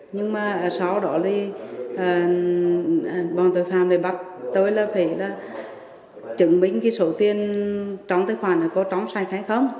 nhưng mà sau đó thì bọn tội phạm lại bắt tôi là phải là chứng minh cái số tiền trong tài khoản nó có trống sạch hay không